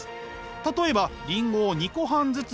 例えばリンゴを２個半ずつにする。